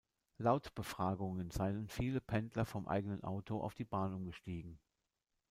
Laut Befragungen seien viele Pendler vom eigenen Auto auf die Bahn umgestiegen.